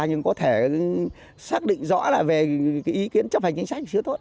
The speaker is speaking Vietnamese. nhưng có thể xác định rõ là về cái ý kiến chấp hành chính sách chứ thôi